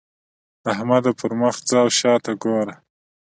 احمده! پر مخ ځه او شا ته ګوره.